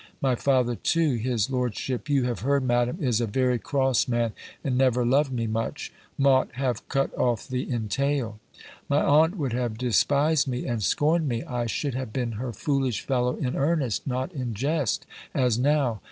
My father too (his lordshipp, you have hearde, Madam, is a very crosse man, and never loved me much) mought have cutt off the intaile. My aunte would have dispis'd mee and scorn'd mee. I should have been her foolishe fellowe in earneste, nott in jeste, as now.